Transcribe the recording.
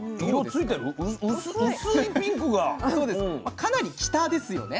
かなり北ですよね。